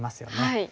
はい。